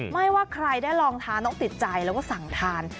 ไม่ว่าใครได้ลองทานต้องติดใจแล้วก็สั่งทาน